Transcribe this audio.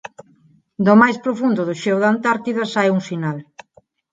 Do máis profundo do xeo da Antártida sae un sinal.